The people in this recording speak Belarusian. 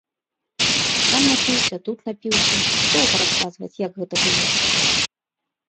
Там напіўся, тут напіўся, доўга расказваць, як гэта было.